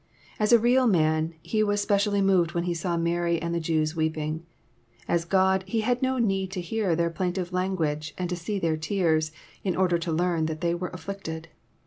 As a real roan, He was specially moved when He saw Mary and the Jews weeping. As God, He had no need to hear their plaintive language, and to see their tears, in order to learn that they were afflicted.